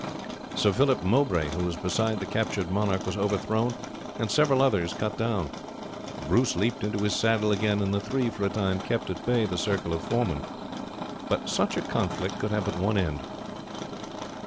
Sir Philip Mowbray, who was beside the captured monarch, was overthrown, and several others cut down. Bruce leapt into his saddle again and the three for a time kept at bay the circle of foemen; but such a conflict could have but one end.